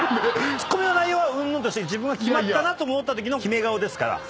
ツッコミの内容はうんぬんとして決まったなと思ったときのキメ顔ですから。